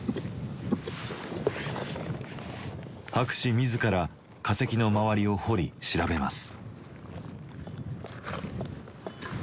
博士自ら化石の周りを掘り調べます。